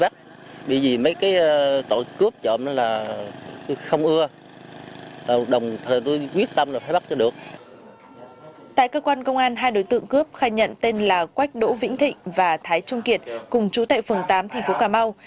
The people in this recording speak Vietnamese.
tại cơ quan công an hai đối tượng cướp khai nhận tên là quách đỗ vĩnh thịnh và thái trung kiệt cùng chú tại phường tám thành phố cà mau